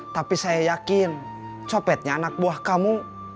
tapi saya yakin copetnya anak buah kamu